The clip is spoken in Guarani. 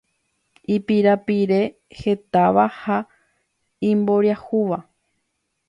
ipirapirehetáva ha imboriahúva